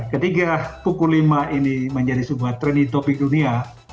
ketiga pukul lima ini menjadi sebuah treni topik dunia